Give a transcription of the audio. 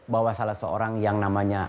bahwa salah seorang yang namanya